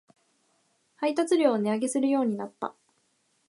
配達料を値上げするようになった